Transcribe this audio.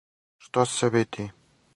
Што се види?